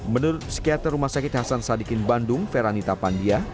menurut psikiater rumah sakit hasan sadikin bandung feranita pandia